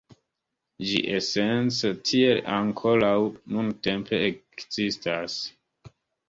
Ĝi esence tiel ankoraŭ nuntempe ekzistas.